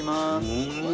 うん！